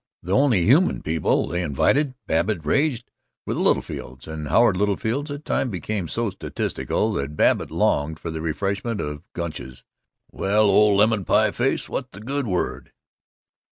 The only "human people" whom she invited, Babbitt raged, were the Littlefields; and Howard Littlefield at times became so statistical that Babbitt longed for the refreshment of Gunch's, "Well, old lemon pie face, what's the good word?"